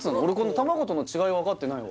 卵との違い分かってないわ